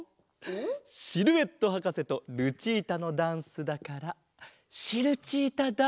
シルエットはかせとルチータのダンスだからシルチータダンスだ！